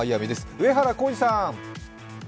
上原浩治さん。